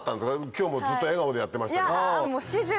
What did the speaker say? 今日もずっと笑顔でやってましたけど。